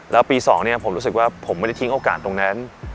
แล้วปี๒ผมรู้สึกว่าผมไม่ได้ทิ้งโอกาสตรงนั้น